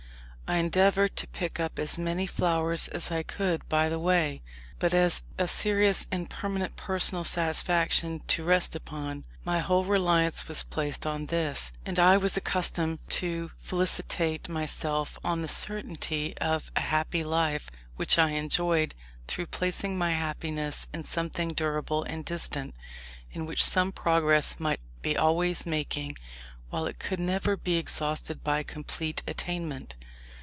I endeavoured to pick up as many flowers as I could by the way; but as a serious and permanent personal satisfaction to rest upon, my whole reliance was placed on this; and I was accustomed to felicitate myself on the certainty of a happy life which I enjoyed, through placing my happiness in something durable and distant, in which some progress might be always making, while it could never be exhausted by complete attainment.